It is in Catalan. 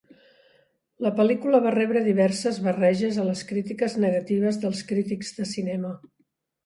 La pel·lícula va rebre diverses barreges a les crítiques negatives dels crítics de cinema.